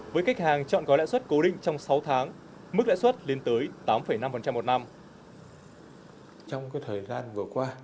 với khách hàng chọn gói lãi suất cố định trong sáu tháng mức lãi suất lên tới tám năm một năm